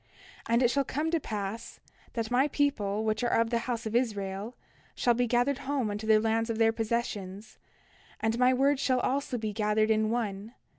29:14 And it shall come to pass that my people, which are of the house of Israel, shall be gathered home unto the lands of their possessions; and my word also shall be gathered in one.